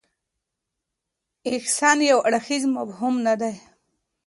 احسان یو اړخیز مفهوم نه دی.